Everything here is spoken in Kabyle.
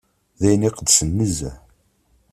D ayen iqedsen nezzeh.